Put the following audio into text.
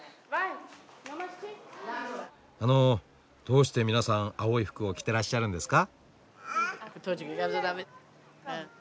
あのどうして皆さん青い服を着てらっしゃるんですか？